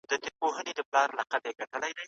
پولیو ماشوم فلج کوي.